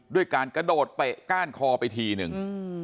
ด้วยการกระโดดเตะก้านคอไปทีนึง